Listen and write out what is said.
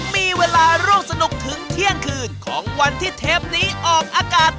มีเวลาร่วมสนุกถึงเที่ยงคืนของวันที่เทปนี้ออกอากาศ